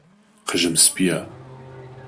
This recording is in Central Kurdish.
قژم سپییە.